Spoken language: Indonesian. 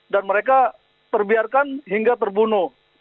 mereka terbiarkan hingga terbunuh